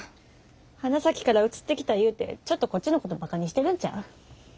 花咲から移ってきたいうてちょっとこっちのことバカにしてるんちゃう？